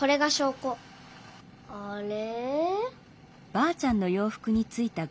あれ？